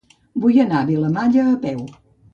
Vull anar a Vilamalla a peu.